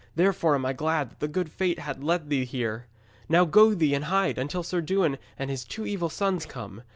Therefore am I glad that the good fate hath led thee here. Now go thee and hide, until Sir Dewin and his two evil sons come.